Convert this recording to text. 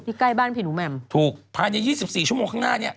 ที่ใกล้บ้านผิดหรือแม่มถูกภายใน๒๔ชั่วโมงข้างหน้านี้